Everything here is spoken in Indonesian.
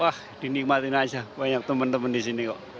wah dinikmatin aja banyak temen temen di sini kok